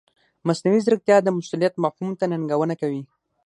مصنوعي ځیرکتیا د مسؤلیت مفهوم ته ننګونه کوي.